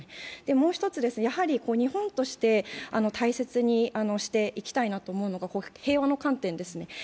もう１つ、日本として大切にしていきたいなと思うのは平和の観点ですね。